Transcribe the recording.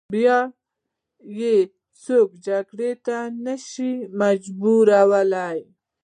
بیا یې څوک جګړې ته نه شي مجبورولای.